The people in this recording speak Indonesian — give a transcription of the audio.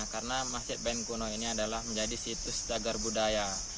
karena masjid bayan kuno ini adalah menjadi situs jagar budaya